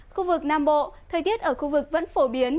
khu vực nam bộ thời tiết ở khu vực vẫn phổ biến